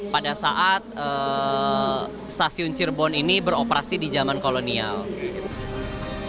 pada saat stasiun cirebon ini beroperasi di zaman kolonial